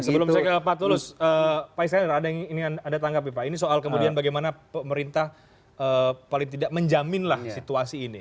sebelum saya ke pak tulus pak iskandar ada yang ingin anda tanggapi pak ini soal kemudian bagaimana pemerintah paling tidak menjaminlah situasi ini